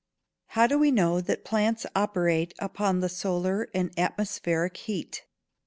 226. _How do we know that plants operate upon the solar and atmospheric heat?